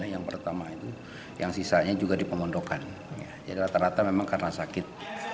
yang sisanya juga dipengundokkan jadi rata rata memang karena sakit